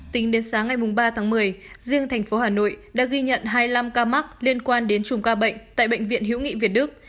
tính đến sáng ngày ba tháng một mươi riêng thành phố hà nội đã ghi nhận hai mươi năm ca mắc liên quan đến chùm ca bệnh tại bệnh viện hữu nghị việt đức